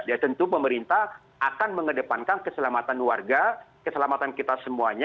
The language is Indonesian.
dan tentu pemerintah akan mengedepankan keselamatan warga keselamatan kita semuanya